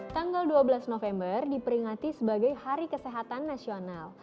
tanggal dua belas november diperingati sebagai hari kesehatan nasional